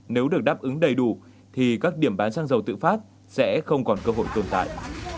nếu được đáp ứng đầy đủ thì các điểm bán xăng dầu tự phát sẽ không còn cơ hội tồn tại